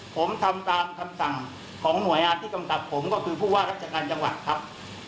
ผมทำตามคำสั่งของหน่วยงานที่กำกับผมก็คือผู้ว่าราชการจังหวัดครับ